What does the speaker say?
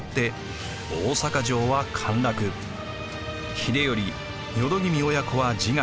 秀頼・淀君親子は自害。